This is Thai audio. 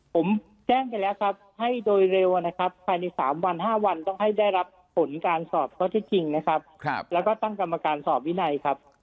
ผมแจ้งไปแล้วครับให้โดยเร็วนะครับภายใน๓วัน๕วันต้องให้ได้รับผลการสอบข้อที่จริงนะครับแล้วก็ตั้งกรรมการสอบวินัยครับ